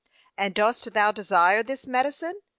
And dost thou desire this medicine?